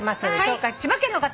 千葉県の方。